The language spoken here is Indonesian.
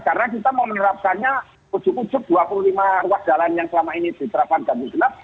karena kita mau menerapkannya ujuk ujuk dua puluh lima ruang jalan yang selama ini diterapkan jambu senap